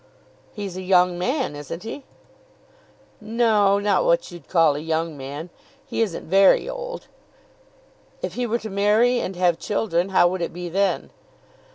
"He's a young man, isn't he?" "No, not what you'd call a young man. He isn't very old." "If he were to marry and have children, how would it be then?"